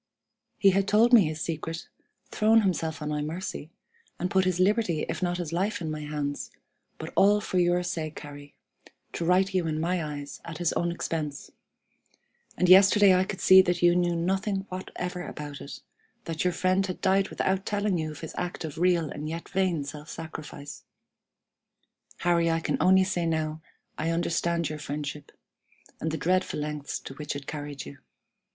"He had told me his secret, thrown himself on my mercy, and put his liberty if not his life in my hands, but all for your sake, Harry, to right you in my eyes at his own expense. And yesterday I could see that you knew nothing whatever about it, that your friend had died without telling you of his act of real and yet vain self sacrifice! Harry, I can only say that now I understand your friendship, and the dreadful lengths to which it carried you.